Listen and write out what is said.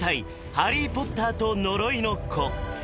「ハリー・ポッターと呪いの子」